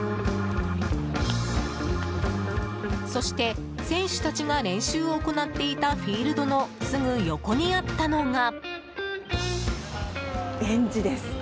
そして、選手たちが練習を行っていたフィールドのすぐ横にあったのが。